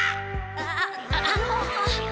あっあの。